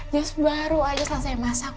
terus baru aja selesai masak